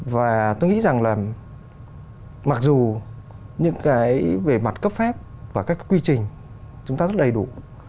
và tôi nghĩ rằng là mặc dù những cái về mặt cấp phép và các quy trình chúng ta rất đầy đủ